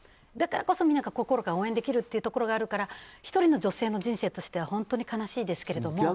だからこそみんなが心から応援できるというのがあるから１人の女性の人生としては本当に悲しいですけれども。